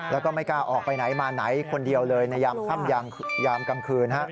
แล้วก็ไม่กล้าออกไปไหนมาไหนคนเดียวเลยในยามค่ำยามกลางคืน